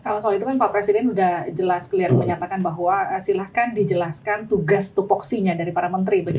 kalau soal itu kan pak presiden sudah jelas clear menyatakan bahwa silahkan dijelaskan tugas tupoksinya dari para menteri